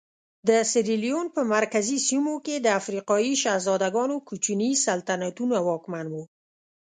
د سیریلیون په مرکزي سیمو کې د افریقایي شهزادګانو کوچني سلطنتونه واکمن وو.